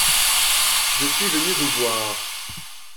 Je suis venu vous voir.